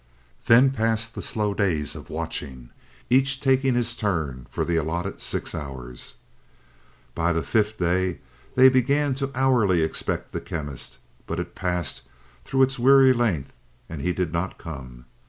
Then passed the slow days of watching, each taking his turn for the allotted six hours. By the fifth day, they began to hourly expect the Chemist, but it passed through its weary length, and he did not come.